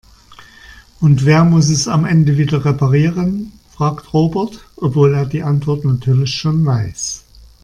Und wer muss es am Ende wieder reparieren?, fragt Robert, obwohl er die Antwort natürlich schon weiß.